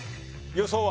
予想は？